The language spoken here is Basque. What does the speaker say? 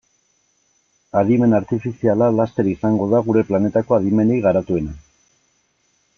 Adimen artifiziala laster izango da gure planetako adimenik garatuena.